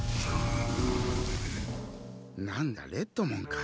何だレッドモンか。